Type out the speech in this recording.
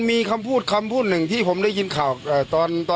งานเดือนครบด้วย